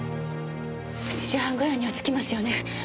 ８時半ぐらいには着きますよね？